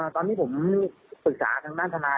ตอนนี้ผมฝึกศาสตร์ทางน้านทนาย